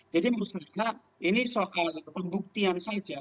jadi menurut saya ini soal pembuktian saja